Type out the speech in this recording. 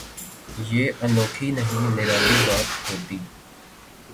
یہ انوکھی نہیں نرالی بات ہوتی۔